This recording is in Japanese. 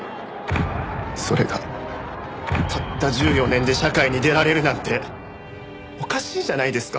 それがたった１４年で社会に出られるなんておかしいじゃないですか！